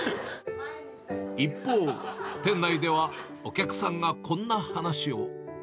一方、店内では、お客さんがこんな話を。